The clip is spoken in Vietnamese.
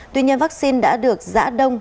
tuy nhiên vaccine đã được giã đông